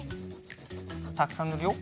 たくさんぬるよ。